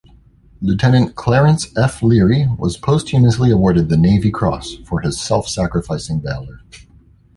Lieutenant Clarence F. Leary was posthumously awarded the Navy Cross for his self-sacrificing valor.